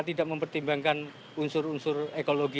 tidak mempertimbangkan unsur unsur ekologi